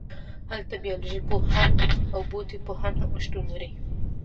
هلته بیالوژی پوهان او بوټي پوهان هم شتون لري